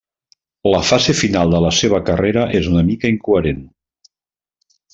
La fase final de la seva carrera és una mica incoherent.